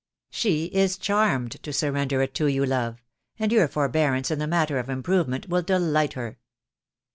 "She is charmed to surrender it to you, love; and your forbearance in the matter of improvement will de light her."